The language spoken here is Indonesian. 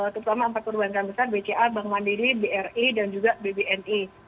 terutama empat perbankan besar bca bank mandiri bri dan juga bbni